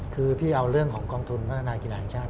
คือพี่เอาเรื่องของกองทุนพัฒนากีฬาแห่งชาติ